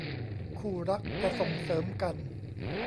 คู่รักจะส่งเสริมกัน